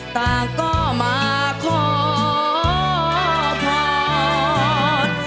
ตาก็มาขอพอด